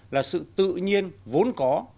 là sự tự nhiên vốn có